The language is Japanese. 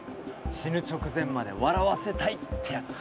死ぬ直前まで笑わせたいってやつ。